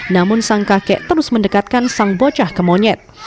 namun sang kakek terus mendekatkan sang bocah ke monyet